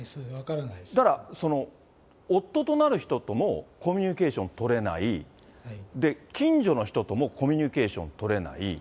だから夫となる人ともコミュニケーション取れない、近所の人ともコミュニケーション取れない。